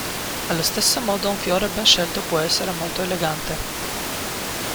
Allo stesso modo, un fiore ben scelto può essere molto elegante.